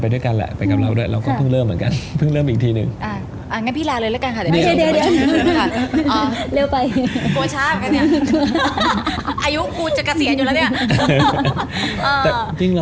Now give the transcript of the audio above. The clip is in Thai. เพิ่งเริ่มอีกทีนึง